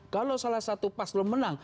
kalau salah satu pas lo menang